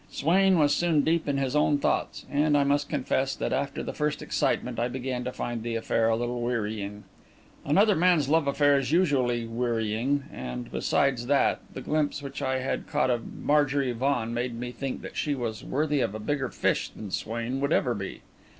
Swain was soon deep in his own thoughts; and, I must confess, that, after the first excitement, I began to find the affair a little wearying. Another man's love affair is usually wearying; and, besides that, the glimpse which I had caught of Marjorie Vaughan made me think that she was worthy of a bigger fish than Swain would ever be.